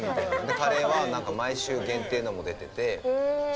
カレーは毎週限定のが出てて。